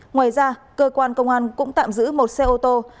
ngoài ra cơ quan công an cũng tạm giữ một xe ô tô